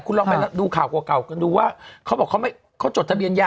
คุณลองไปดูข่าวเก่ากันดูว่าเขาบอกเขาจดทะเบียนยา